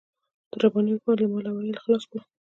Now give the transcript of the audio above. د رباني حکومت له مال او عيال يې خلاص کړو.